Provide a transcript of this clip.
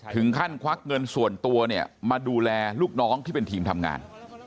ถึงขั้นควักเงินส่วนตัวมาดูแลลูกน้องที่เป็นทีมทำงาน